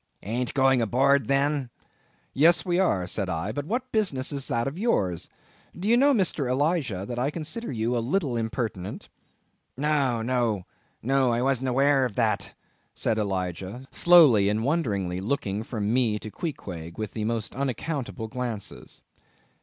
"Ain't going aboard, then?" "Yes, we are," said I, "but what business is that of yours? Do you know, Mr. Elijah, that I consider you a little impertinent?" "No, no, no; I wasn't aware of that," said Elijah, slowly and wonderingly looking from me to Queequeg, with the most unaccountable glances.